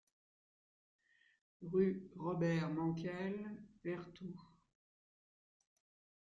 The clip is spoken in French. Rue Robert Mankel, Vertou